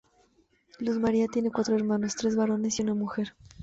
Luz María tiene cuatro hermanos: tres varones y una mujer.